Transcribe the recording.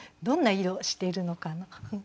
どんな色してるのかな？